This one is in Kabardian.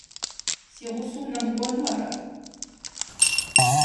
Си гъусэу унэмыкӀуэну ара?